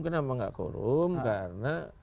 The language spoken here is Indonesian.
kenapa tidak quorum karena